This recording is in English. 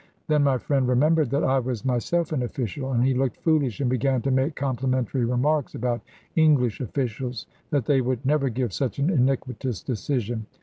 Then my friend remembered that I was myself an official, and he looked foolish, and began to make complimentary remarks about English officials, that they would never give such an iniquitous decision.